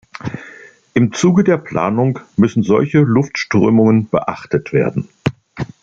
Im Zuge der Planung müssen solche Luftströmungen beachtet werden.